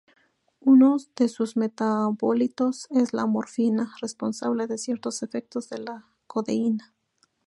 Uno de sus metabolitos es la morfina, responsable de ciertos efectos de la codeína.